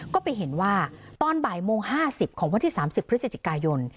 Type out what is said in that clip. ก็ไปเห็นว่าตอนบ่ายโมงห้าสิบของวันที่สามสิบพฤศจิกายน